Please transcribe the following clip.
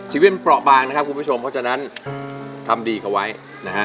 ชีวิตมันเปราะบางนะครับคุณผู้ชมเพราะฉะนั้นทำดีเขาไว้นะฮะ